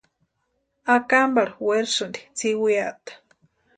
Akamparhu werasïnti tsʼiwiata.